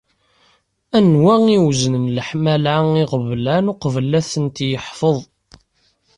Anwa iweznen leḥmala, iɣublan uqbel ad tent-yeḥfeḍ?